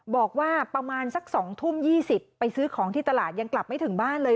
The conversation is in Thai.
บอกว่าประมาณสัก๒ทุ่ม๒๐ไปซื้อของที่ตลาดยังกลับไม่ถึงบ้านเลย